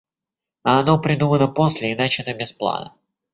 А оно придумано после и начато без плана.